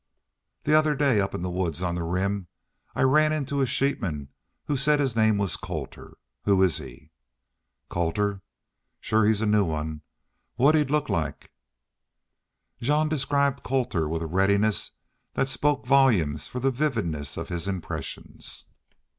"The other day back up in the woods on the Rim I ran into a sheepman who said his name was Colter. Who is he? "Colter? Shore he's a new one. What'd he look like?" Jean described Colter with a readiness that spoke volumes for the vividness of his impressions.